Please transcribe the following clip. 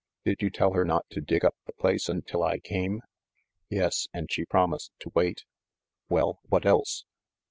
"Did you tell her not to dig up the place until I came?" "Yes, and she promised to wait." "Well, what else?"